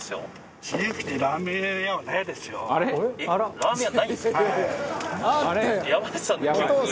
ラーメン屋ないんですか？